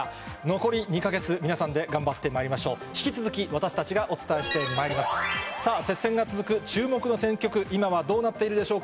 残り２か月、皆さんで頑張ってまいりましょう。